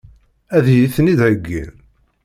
Ad iyi-ten-id-heggin?